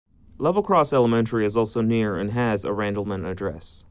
Level Cross Elementary is also near and has a Randleman address.